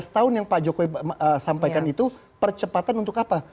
dua ribu tiga puluh enam tiga belas tahun yang pak jokowi sampaikan itu percepatan untuk apa